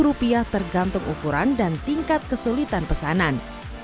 rp lima tergantung ukuran dan tingkat kesulitan pesanan